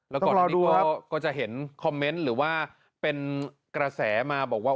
แล้วก่อนก็จะเห็นคอมเมนต์หรือว่าเป็นกระแสมาบอกว่า